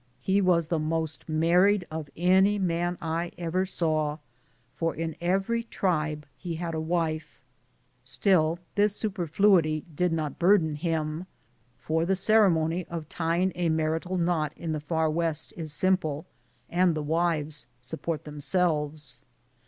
He was the most married of any man I ever saw, for in every tribe he had a wife. Still this superfluity did not burden him, for the ceremony of tying a marital knot in the far "West is simple, and the wives support themselves.